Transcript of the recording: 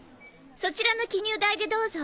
そちらの記入台でどうぞ。